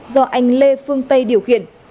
do anh lê phương tây điều khiển